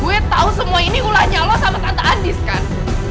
gue tau semua ini ulahnya lo sama tante andis kan